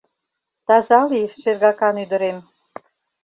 Таза лий, шергакан ӱдырем.